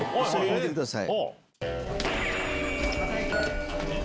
見てください。